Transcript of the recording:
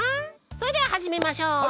それでははじめましょう。